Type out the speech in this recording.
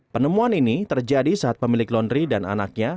penemuan ini terjadi saat pemilik laundry dan anaknya